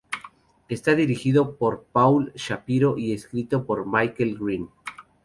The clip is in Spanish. Está dirigido por Paul Shapiro y escrito por Michael Green.